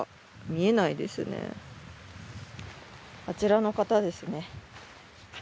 あちらの方ですね。